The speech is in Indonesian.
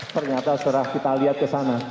ternyata setelah kita lihat kesana